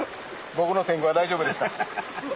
僕の天狗は大丈夫でした？